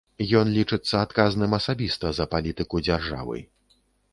Ён лічыцца адказным асабіста за палітыку дзяржавы.